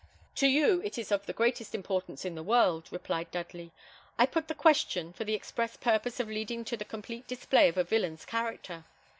"To you it is of the greatest importance in the world," replied Dudley. "I put the question for the express purpose of leading to the complete display of a villain's character.